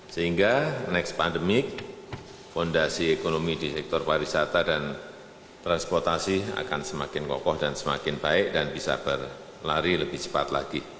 sehingga next pandemic fondasi ekonomi di sektor pariwisata dan transportasi akan semakin kokoh dan semakin baik dan bisa berlari lebih cepat lagi